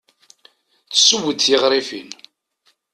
Tesseww-d tiɣrifin.